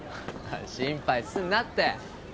心配すんなって。